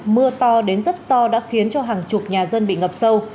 mưa to đến rất to đã khiến cho hàng chục nhà dân bị ngập sâu